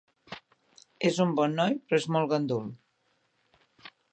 És un bon noi, però és molt gandul.